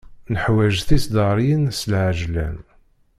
Neḥwaǧ tiseddaryin s lεeǧlan.